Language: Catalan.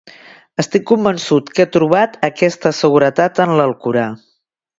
Estic convençut que he trobat aquesta seguretat en l'Alcorà.